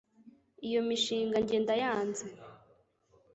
Iyo mishinga njye ndayanze